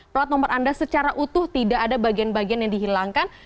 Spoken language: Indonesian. plat nomor anda secara utuh tidak ada bagian bagian yang dihilangkan